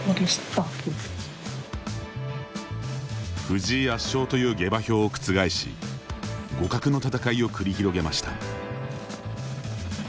藤井圧勝という下馬評を覆し互角の戦いを繰り広げました。